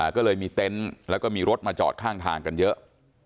ก็เลยมีเต็นต์แล้วก็มีรถมาจอดข้างทางกันเยอะ